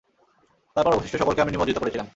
তারপর অবশিষ্ট সকলকে আমি নিমজ্জিত করেছিলাম।